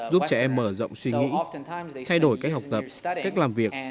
giúp trẻ em mở rộng suy nghĩ thay đổi cách học tập cách làm việc